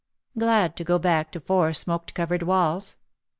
Glad to go back to four smoke covered walls?